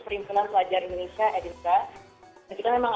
perimpunan pelajar indonesia edinburgh